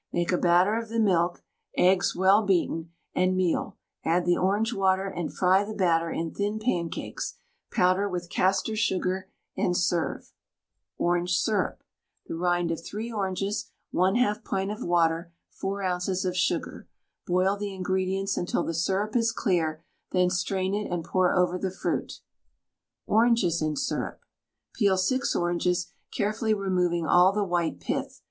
Make a batter of the milk, eggs (well beaten), and meal, add the orange water, and fry the batter in thin pancakes, powder with castor sugar, and serve. ORANGE SYRUP. The rind of 3 oranges, 1/2 pint of water, 4 oz. of sugar. Boil the ingredients until the syrup is clear, then strain it and pour over the fruit. ORANGES IN SYRUP. Peel 6 oranges, carefully removing all the white pith.